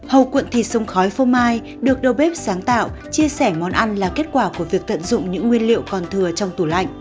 hầu cuộn thịt sông khói phô mai được đầu bếp sáng tạo chia sẻ món ăn là kết quả của việc tận dụng những nguyên liệu còn thừa trong tủ lạnh